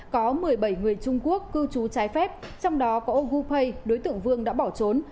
có một mươi bảy người trung quốc cư trú trái phép trong đó có oupay đối tượng vương đã bỏ trốn